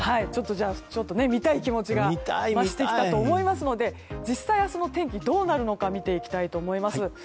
ちょっと見たい気持ちが増してきたと思いますので実際、明日の天気どうなるのか見ていきたいと思います。